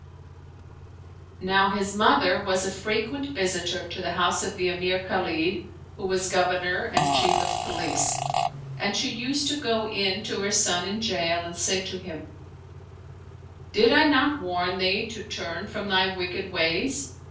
Now his mother was a frequent visitor to the house of 138 Calamity Ahmad and Hahzalam Bazazah the Emir Khalid, who was Governor and Chief of Police; and she used to go in to her son in jail and say to him, " Did I not warn thee to turn from thy wicked ways?"